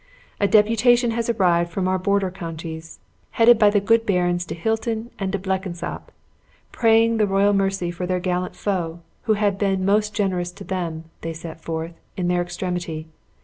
A deputation has just arrived from our border counties, headed by the good Barons de Hilton and De Blenkinsopp, praying the royal mercy for their gallant foe, who had been most generous to them, they set forth, in their extremity.